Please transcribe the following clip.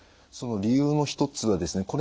その理由の一つはですね